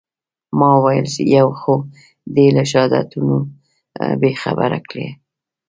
ما وويل يو خو دې له شهادته بې برخې کړم.